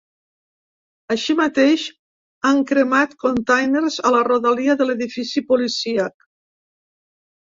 Així mateix, han cremat containers a la rodalia de l’edifici policíac.